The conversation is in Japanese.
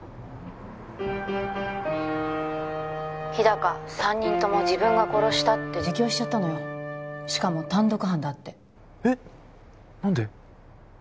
☎日高三人とも自分が殺したって自供しちゃったのよしかも単独犯だってえっ何で！？